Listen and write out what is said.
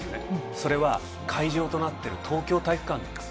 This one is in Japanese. それは会場となっている東京体育館です。